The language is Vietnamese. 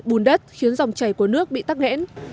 bùn đất khiến dòng chảy của nước bị tắc nghẽn